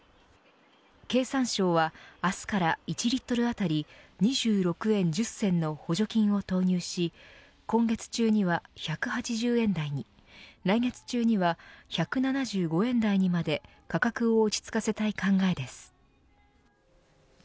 経産省は明日から１リットル当たり２６円１０銭の補助金を投入し今月中には１８０円台に来月中には１７５円台にまで価格を落ち着かせたい考えです。